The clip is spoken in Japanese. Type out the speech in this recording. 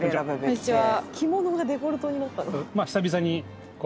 こんにちは。